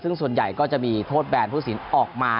ซึ่งส่วนใหญ่ก็จะมีโทษแบนผู้สินออกมา